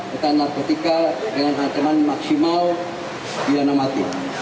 tentang narkotika dengan ancaman maksimal pidana mati